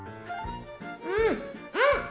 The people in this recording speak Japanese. うんうん！